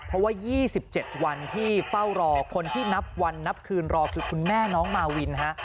เพราะว่า๒๗วันที่เฝ้ารอคนที่นับวันนับคืนรอคือคุณแม่น้องมาวินฮะ